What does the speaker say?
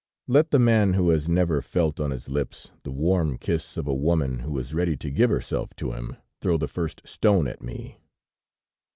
Let the man who has never felt on his lips, the warm kiss of a woman who is ready to give herself to him, throw the first stone at me